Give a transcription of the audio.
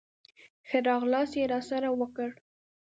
ښه راغلاست یې راسره وکړ.